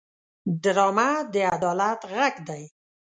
ډرامه د عدالت غږ دی